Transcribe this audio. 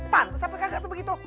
pan sampai kakak tuh begitu